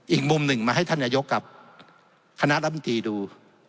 อีกมุมหนึ่งมาให้ท่านนายกกับคณะรัฐมนตรีดู